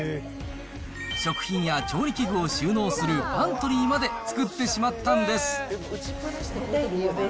食品や調理器具を収納するパントリーまで作ってしまったんです。